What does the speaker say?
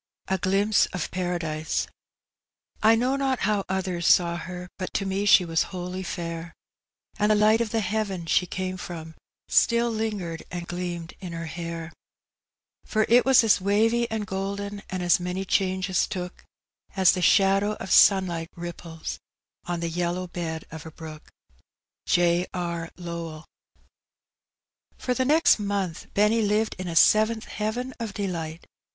A GLIMPSE OP PARADISE, I know not how others saw her, But to me she was wholly fair; And the light of the heaven she came from Still lingered and gleamed in her hair; For it was as wavy and golden, And as many changes took, As the shadow of sunlight ripples On the yellow bed of a brook. J. R. Lowell. For the next montli Benny lived in a seventh heaven of delight.